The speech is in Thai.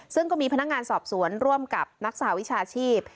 ซึ่งก็มีพนักงานสอบสวนร่วมกับนักสหวิชาชีพ